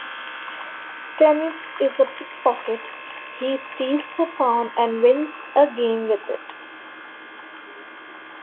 Steinitz is a pick-pocket, he steals a pawn and wins a game with it.